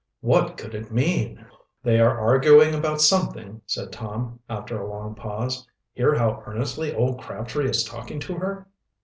What could it mean? "They are arguing about something," said Tom, after a long pause. "Hear how earnestly old Crabtree is talking to her?"